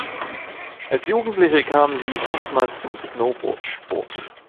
Als Jugendliche kam sie erstmals zum Snowboard-Sport.